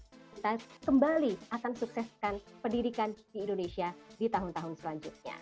kita kembali akan sukseskan pendidikan di indonesia di tahun tahun selanjutnya